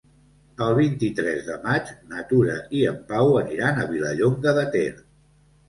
El vint-i-tres de maig na Tura i en Pau aniran a Vilallonga de Ter.